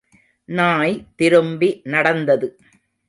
நாய் திரும்பி நடந்தது.